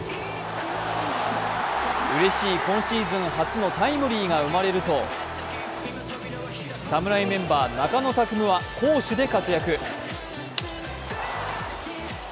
うれしい今シーズン初のタイムリーが生まれると侍メンバー中野拓夢は攻守で活躍。